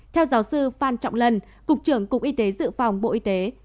theo giáo sư phan trọng lân cục trưởng cục y tế dự phòng bộ y tế